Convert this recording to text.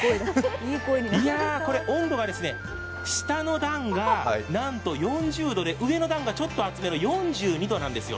いや、これ温度が下の段がなんと４０度で上の段がちょっと熱めの４２度なんですよ。